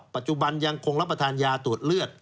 ปัจจุบันยังคงรับประทานยาตรวจเลือด